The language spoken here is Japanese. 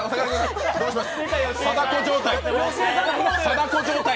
貞子状態。